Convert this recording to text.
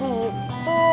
iya seperti itu